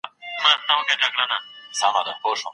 د ښوونځیو د ساتنې او مراقبت لپاره ځانګړی ټیم نه و.